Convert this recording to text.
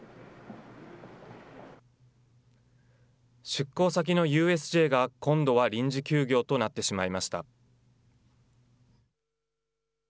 出向先のＵＳＪが今度は臨時休業となってしまいました。